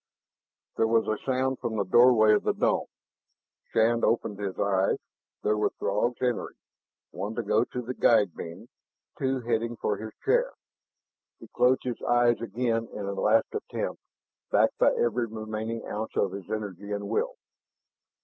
There was a sound from the doorway of the dome. Shann opened his eyes. There were Throgs entering, one to go to the guide beam, two heading for his chair. He closed his eyes again in a last attempt, backed by every remaining ounce of his energy and will.